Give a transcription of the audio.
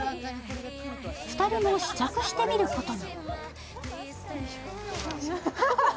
２人も試着してみることに。